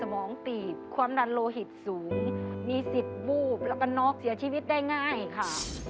สมองตีบความดันโลหิตสูงมีสิทธิ์วูบแล้วก็น็อกเสียชีวิตได้ง่ายค่ะ